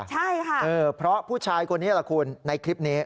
ใช่ค่ะเพราะผู้ชายคนนี้แหละคุณในคลิปนี้